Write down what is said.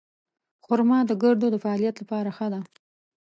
خرما د ګردو د فعالیت لپاره ښه ده.